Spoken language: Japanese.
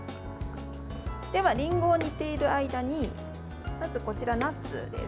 では、りんごを煮ている間にまず、こちらナッツです。